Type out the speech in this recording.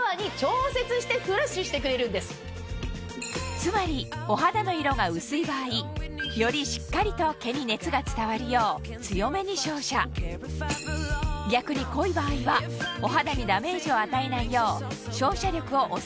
つまりお肌の色が薄い場合よりしっかりと毛に熱が伝わるよう強めに照射逆に濃い場合はお肌にダメージを与えないよう照射力を抑えてくれるんです